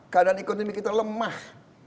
keadaan ekonomi kita lemah